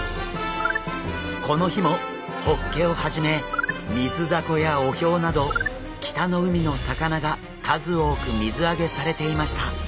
この日もホッケをはじめミズダコやオヒョウなど北の海の魚が数多く水揚げされていました。